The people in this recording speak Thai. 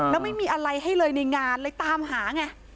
แล้วไม่มีอะไรให้เลยในงานเลยตามหาไง